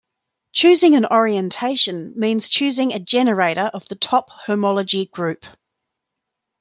Choosing an orientation means choosing a generator of the top homology group.